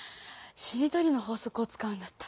「しりとりの法則」をつかうんだった。